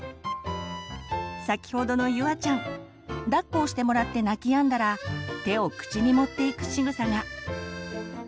先ほどのゆあちゃんだっこをしてもらって泣きやんだら手を口に持っていくしぐさが。